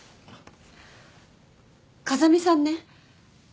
風見さんね